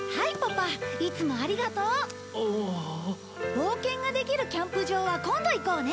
冒険ができるキャンプ場は今度行こうね！